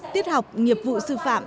tiết học nghiệp vụ sư phạm